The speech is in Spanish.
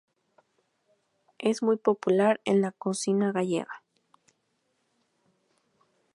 Es muy popular en la cocina gallega.